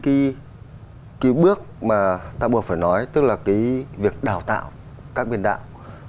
chúng ta đã đi đến cái bước mà ta buộc phải nói tức là cái việc đào tạo các biên đạo